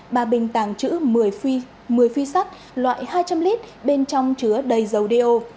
bà bình tàng trữ một mươi phi sắt loại hai trăm linh lít bên trong chứa đầy dầu điêu